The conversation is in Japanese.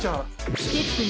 ［ステップの］